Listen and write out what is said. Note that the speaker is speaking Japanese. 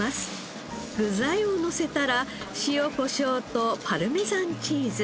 具材をのせたら塩コショウとパルメザンチーズ。